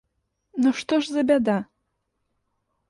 Ну што ж за бяда!